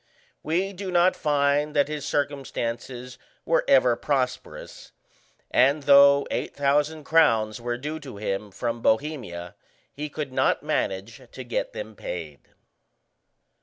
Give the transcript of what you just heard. We do not find that his circumstances were ever prosperous, and though 8,000 crowns were due to him from Bohemia he could not manage to get them paid.